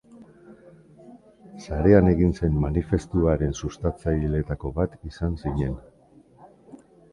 Sarean egin zen manifestuaren sustatzaileetako bat izan zinen.